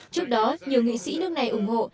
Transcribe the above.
trước đó nhiều nghị sĩ nước này ủng hộ